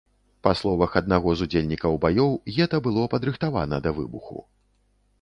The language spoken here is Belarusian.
Па словах аднаго з удзельнікаў баёў, гета было падрыхтавана да выбуху.